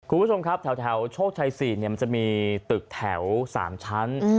คุณผู้ชมครับแถวโชคชัย๔มันจะมีตึกแถว๓ชั้น